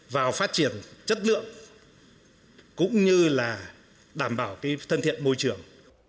vào phát triển chất lượng cũng như là đảm bảo cái thân thiện môi trường